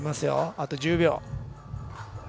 あと１０秒。